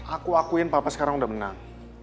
aku akuin papa sekarang udah menang